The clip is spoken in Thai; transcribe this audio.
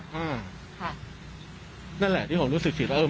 ค่ะนั่นแหละที่ผมรู้สึกผิดแล้วเออ